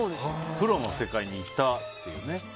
プロの世界に行ったっていうね。